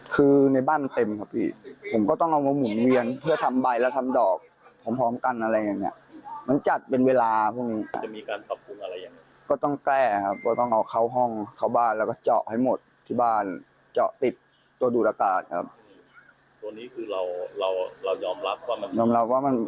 กลับมาทบแน่นอนอยู่แล้วแต่ว่าตอนนั้นเรายังไม่ได้ทำ